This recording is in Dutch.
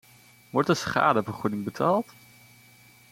Wordt er schadevergoeding betaald?